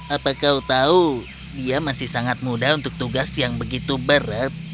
apa kau tahu dia masih sangat muda untuk tugas yang begitu berat